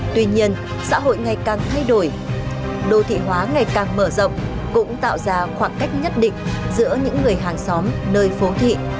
tuy nhiên xã hội ngày càng thay đổi đô thị hóa ngày càng mở rộng cũng tạo ra khoảng cách nhất định giữa những người hàng xóm nơi phố thị